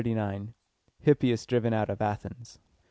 XXXIX. HIPPIAS DRIVEN OUT OF ATHENS.